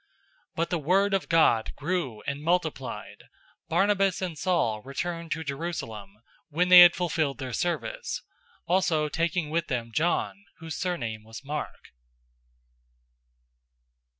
012:024 But the word of God grew and multiplied. 012:025 Barnabas and Saul returned to{TR reads "from" instead of "to"} Jerusalem, when they had fulfilled their service, also taking with them John whose surname was Mark.